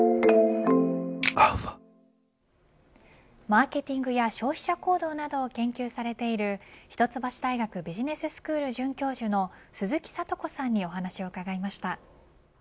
マーケティングや消費者行動などを研究されている一橋大学ビジネススクール准教授の鈴木智子さんにお話を伺いました。